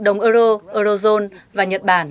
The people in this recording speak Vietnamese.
đông euro eurozone và nhật bản